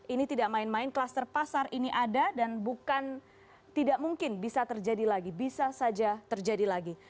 ini tidak main main kluster pasar ini ada dan bukan tidak mungkin bisa terjadi lagi